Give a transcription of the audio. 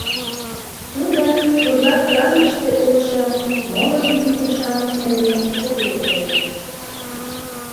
Тудо пурла флангыште улшо моло дивизий-шамыч нерген тыге ойлен.